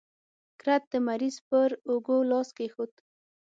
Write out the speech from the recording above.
کرت د مریض پر اوږو لاس کېښود.